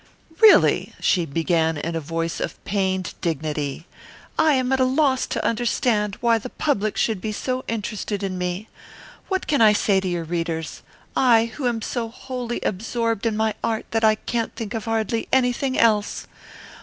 "Really," she began in a voice of pained dignity, "I am at a loss to understand why the public should be so interested in me. What can I say to your readers I who am so wholly absorbed in my art that I can't think of hardly anything else?